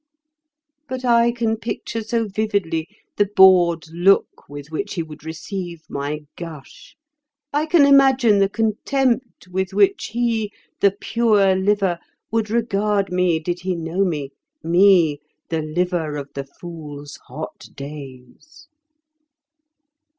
But I can picture so vividly the bored look with which he would receive my gush. I can imagine the contempt with which he, the pure liver, would regard me did he know me—me, the liver of the fool's hot days."